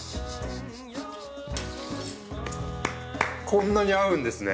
こんなに合うんですね。